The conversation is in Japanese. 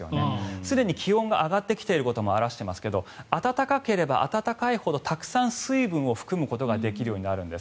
すでに気温が上がっていることも表していますが暖かければ暖かいほどたくさん水分を含むことができるようになるんです。